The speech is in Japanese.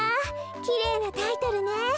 きれいなタイトルね。